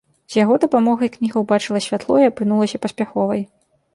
З яго дапамогай кніга ўбачыла святло і апынулася паспяховай.